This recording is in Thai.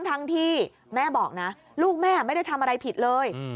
ทั้งที่แม่บอกนะลูกแม่ไม่ได้ทำอะไรผิดเลย